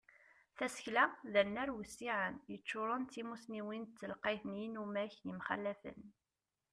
Tasekla d anar wissiɛen, yeččuren d timusniwin d telqayt n yinumak yemxalafen.